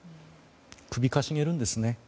首をかしげるんですね。